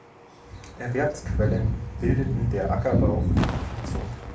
Erwerbsquellen bildeten der Ackerbau und die Viehzucht.